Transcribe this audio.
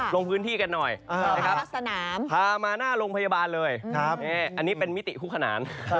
ลงพื้นที่กันหน่อยนะครับพามาหน้าโรงพยาบาลเลยอันนี้เป็นมิติคู่ขนาน